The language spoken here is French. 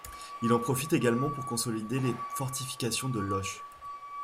Il en profite également pour consolider les fortifications de Loches.